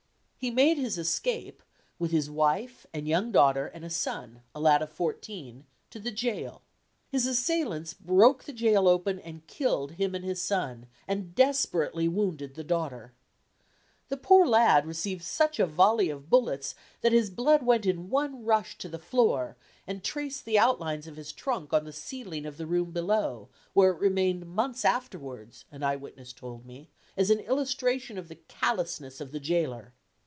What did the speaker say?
He made his escape, with his wife and young daughter and son, a lad of fourteen, to the jail. His assailants broke the jail open, and killed him and his son, and desperately wounded the daughter. The poor lad received such a volley of bullets, that his blood went in one rush to the floor, and traced the outlines of his trunk on the ceiling of the room below, where it remained months afterwards, an eye witness told me, as an illustration of the callousness of the jailer.